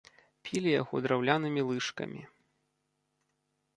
Пілі яго драўлянымі лыжкамі.